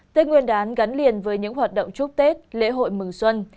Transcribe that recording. tết nguyên đán gắn liền với những hoạt động chúc tết lễ hội mừng xuân